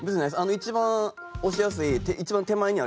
一番押しやすい。